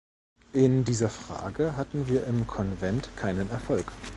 In dieser Frage hatten wir im Konvent keinen Erfolg.